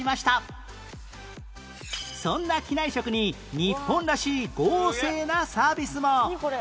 そんな機内食に日本らしい豪勢なサービスも